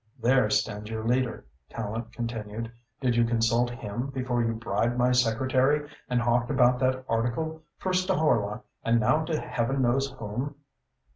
"There stands your leader," Tallente continued. "Did you consult him before you bribed my secretary and hawked about that article, first to Horlock and now to heaven knows whom?"